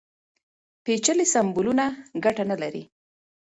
پېچلي سمبولونه ګټه نه لري.